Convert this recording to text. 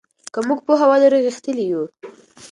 که موږ پوهه ولرو غښتلي یو.